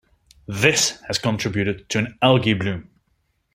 This has contributed to an algae bloom.